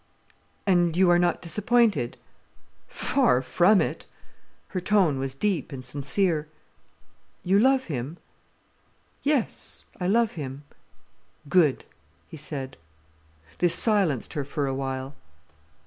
"And you are not disappointed?" "Far from it!" Her tone was deep and sincere. "You love him?" "Yes, I love him." "Good!" he said. This silenced her for a while.